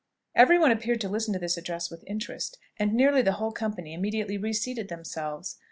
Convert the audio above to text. Every one appeared to listen to this address with interest, and nearly the whole company immediately reseated themselves.